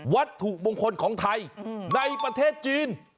วัตถุมงคลของไทยในประเทศจีน